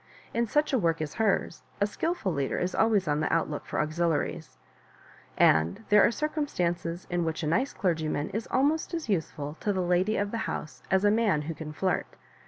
In such a work as hers, a skilful leader is always on the outlook for auxiliaries ; and there are circum stances in which a nice clergyman is almost as useful to the lady of the house as a man who can flirt.